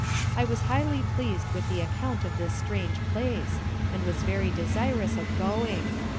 I was highly pleased with the account of this strange place, and was very desirous of going.